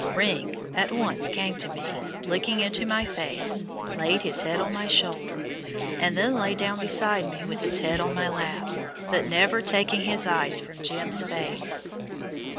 "Ring" at once came to me, looked into my face, laid his head on my shoulder, and then lay down beside me with his head on my lap, but never taking his eyes from "Jim's" face.